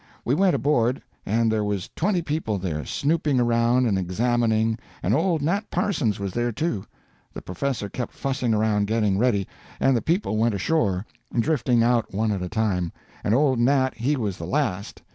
We went aboard, and there was twenty people there, snooping around and examining, and old Nat Parsons was there, too. The professor kept fussing around getting ready, and the people went ashore, drifting out one at a time, and old Nat he was the last.